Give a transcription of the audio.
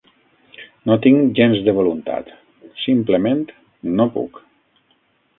No tinc gens de voluntat; simplement, no puc.